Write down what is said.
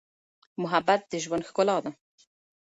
محبت د ژوند ښکلا ده.